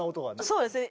そうですね。